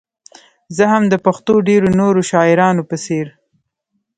زه هم د پښتو ډېرو نورو شاعرانو په څېر.